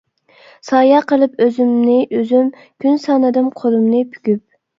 سايە قىلىپ ئۆزۈمنى ئۆزۈم، كۈن سانىدىم قولۇمنى پۈكۈپ.